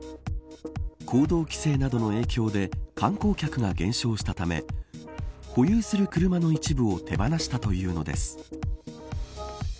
行動規制などの影響で観光客が減少したため保有する車の一部を手放したというのです。